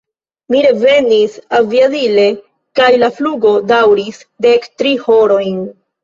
Mi revenis aviadile kaj la flugo daŭris dek tri horojn.